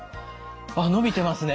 あっ伸びてますね。